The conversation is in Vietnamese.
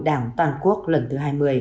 đảng toàn quốc lần thứ hai mươi